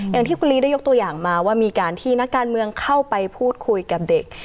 อย่างที่คุณลีได้ยกตัวอย่างมาว่ามีการที่นักการเมืองเข้าไปพูดคุยกับเด็ก